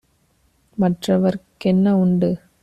மற்றவர்க் கென்னஉண்டு?